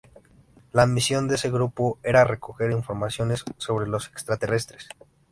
La misión de ese grupo era recoger informaciones sobre los extraterrestres.